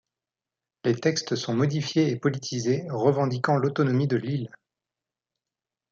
Les textes sont modifiés et politisés, revendiquant l'autonomie de l'île.